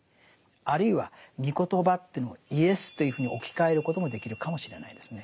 あるいは「み言葉」というのを「イエス」というふうに置き換えることもできるかもしれないですね。